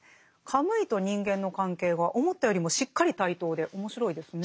カムイと人間の関係が思ったよりもしっかり対等で面白いですね。